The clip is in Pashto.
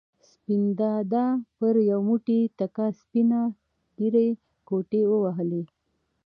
سپین دادا پر یو موټی تکه سپینه ږېره ګوتې ووهلې.